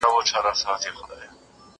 د دې نوي کفن کښ ګډه غوغا وه